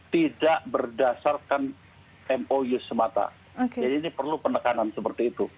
tidak berdasarkan mou semata jadi ini perlu penekanan seperti itu